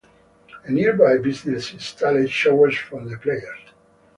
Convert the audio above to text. A nearby business installed showers for the players.